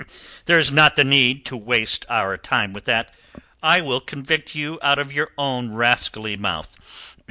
"There's not the need to waste our time with that. I will convict you out of your own rascally mouth.